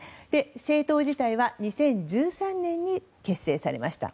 政党自体は２０１３年に結成されました。